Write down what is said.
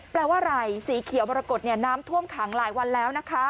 แปลว่าอะไรสีเขียวมรกฏน้ำท่วมขังหลายวันแล้วนะคะ